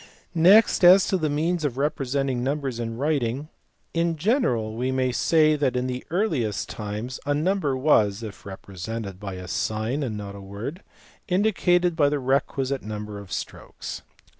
Next, as to the means of representing numbers in writing. , In general we may say that in the earliest times a number was (if represented by a sign and not a word) indicated by the requisite number* of strokes.